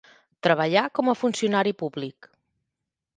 Treballà com a funcionari públic.